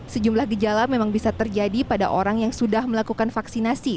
sejumlah gejala memang bisa terjadi pada orang yang sudah melakukan vaksinasi